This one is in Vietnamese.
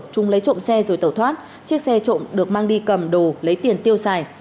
chúng lấy trộm xe rồi tẩu thoát chiếc xe trộm được mang đi cầm đồ lấy tiền tiêu xài